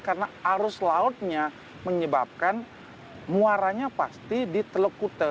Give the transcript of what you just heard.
karena arus lautnya menyebabkan muaranya pasti di teluk kuta